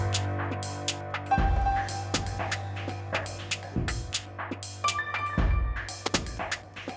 tak buat lo